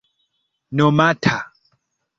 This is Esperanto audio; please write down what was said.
nomata